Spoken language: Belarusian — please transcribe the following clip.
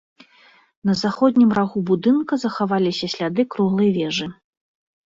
На заходнім рагу будынка захаваліся сляды круглай вежы.